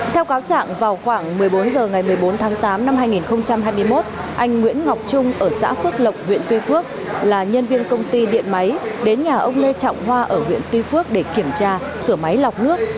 theo cáo trạng vào khoảng một mươi bốn h ngày một mươi bốn tháng tám năm hai nghìn hai mươi một anh nguyễn ngọc trung ở xã phước lộc huyện tuy phước là nhân viên công ty điện máy đến nhà ông lê trọng hoa ở huyện tuy phước để kiểm tra sửa máy lọc nước